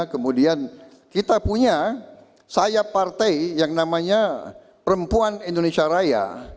kemudian kita punya sayap partai yang namanya perempuan indonesia raya